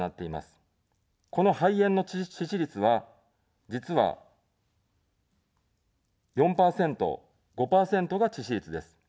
この肺炎の致死率は、実は、４％、５％が致死率です。